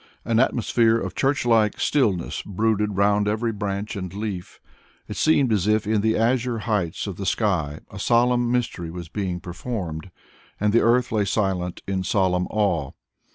An atmosphere of church like stillness brooded round every branch and leaf. It seemed as if in the azure heights of the sky a solemn mystery was being performed, and the earth lay silent in solemn awe.